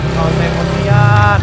kau sepuluh ya